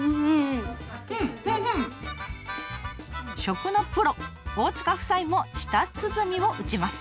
食のプロ大塚夫妻も舌鼓を打ちます。